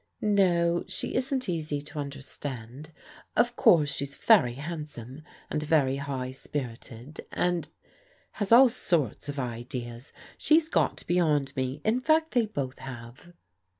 " No, she isn't easy to understand. Of course she's : very handsome, and very high spirited, and — has all sorts j of ideas. She's got beyond me. In fact they both have."